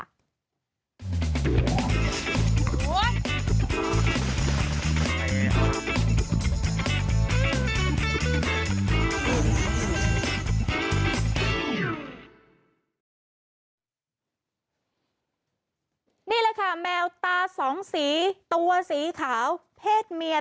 นี่แหละค่ะแมวตาสองสีตัวสีขาวเพศเมีย